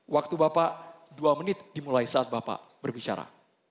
waktu bapak dua menit dimulai saat bapak berbicara